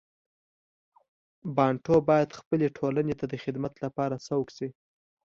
بانټو باید خپلې ټولنې ته د خدمت لپاره سوق شي.